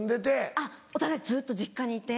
あっお互いずっと実家にいて。